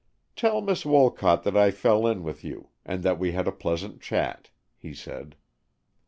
"Tell Miss Wolcott that I fell in with you, and that we had a pleasant chat," he said.